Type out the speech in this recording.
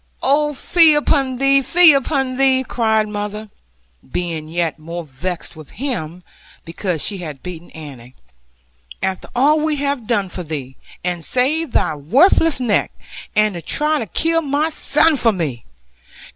'Oh, fie upon thee, fie upon thee!' cried mother (being yet more vexed with him, because she had beaten Annie); 'after all we have done for thee, and saved thy worthless neck and to try to kill my son for me!